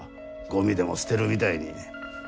ごみでも捨てるみたいに。